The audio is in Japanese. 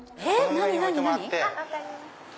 上に置いてもらって。